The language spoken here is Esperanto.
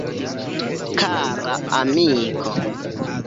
Kara amiko.